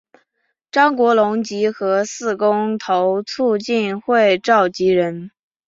张国龙及核四公投促进会召集人。